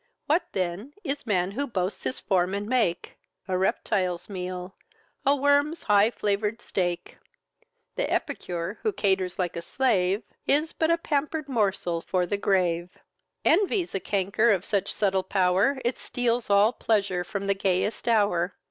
What then is man who boasts his form and make? A reptile's meal, a worm's high flavour'd steak, The epicure, who caters like a slave, Is but a pamper'd morsel for the grave. Envy's a canker of such subtle power, It steals all pleasure from the gayest hour.